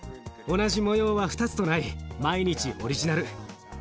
同じ模様は２つとない毎日オリジナル。